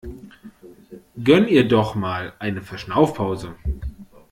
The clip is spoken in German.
Gönn ihr doch mal eine Verschnaufpause!